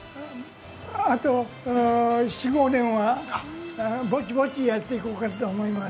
あと４５年はぼちぼちやっていこうかと思います。